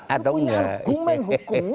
itu punya argumen hukumnya nggak